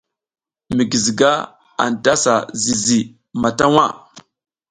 Mi guiziga anta si zizi mata waʼa.